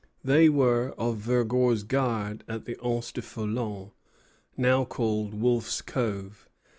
They were those of Vergor's guard at the Anse du Foulon, now called Wolfe's Cove.